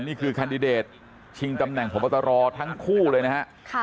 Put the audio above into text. นี่คือคันดิเดตชิงตำแหน่งผวัตรตรอทั้งคู่เลยนะฮะ